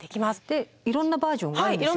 いろんなバーションがあるんですよね。